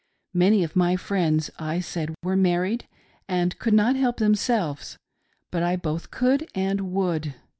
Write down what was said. Many of ihy friends, I said, were married and could not help themselves, but I( both could and would.